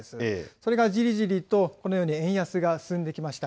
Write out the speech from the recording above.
それがじりじりとこのように円安が進んできました。